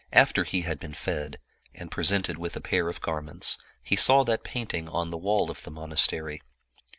After he had been fed, and presented with a pair of gar ments, he saw that painting on the wall of the monastery.